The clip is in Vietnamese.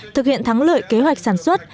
thực hiện thắng lợi kế hoạch sản xuất